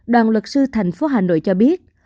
đoàn luật sư thành phố hà nội cho biết